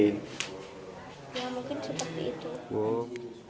ya mungkin seperti itu